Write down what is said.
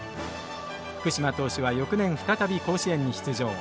福嶋投手は翌年再び甲子園に出場。